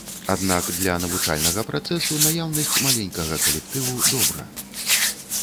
Аднак для навучальнага працэсу наяўнасць маленькага калектыву добра.